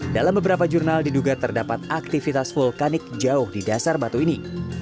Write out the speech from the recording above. dalam beberapa jurnal diduga terdapat aktivitas vulkanik jauh di dasar batu ini